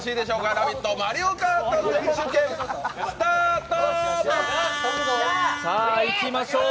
ラヴィット！マリオカート選手権、スタート！